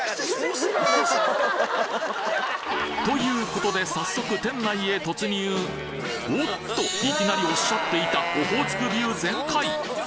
ということで早速店内へ突入おっといきなりおっしゃっていたオホーツクビュー全開！